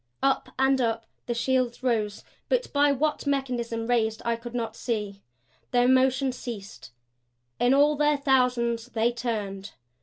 Up and up the shields rose, but by what mechanism raised I could not see. Their motion ceased; in all their thousands they turned.